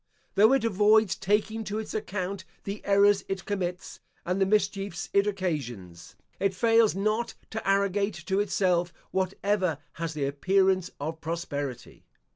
Though it avoids taking to its account the errors it commits, and the mischiefs it occasions, it fails not to arrogate to itself whatever has the appearance of prosperity.